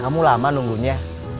kamu lama nunggunya